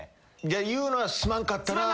言うのは「すまんかったな」